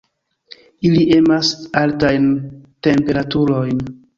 Ili emas altajn temperaturojn.